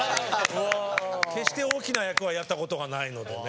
決して大きな役はやったことがないのでね。